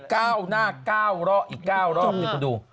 ก้าวหน้าก้าวเลาะอีกก้าวเลาะนี่คุณดู